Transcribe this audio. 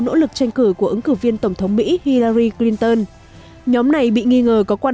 nỗ lực tranh cử của ứng cử viên tổng thống mỹ hilary clinton nhóm này bị nghi ngờ có quan